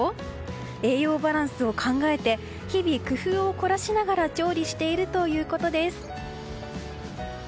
栄養バランスを考えて日々工夫を凝らしながら調理しているということです。